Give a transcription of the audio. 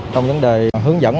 trong vấn đề hướng dẫn